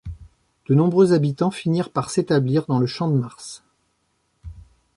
De nombreux habitants finirent par s’établir dans le Champ de Mars.